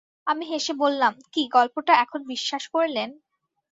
আমি হেসে বললাম, কি, গল্পটা এখন বিশ্বাস করলেন?